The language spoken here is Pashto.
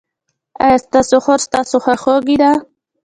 ایا ستاسو خور ستاسو خواخوږې ده؟